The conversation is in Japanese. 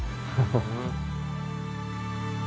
フフフ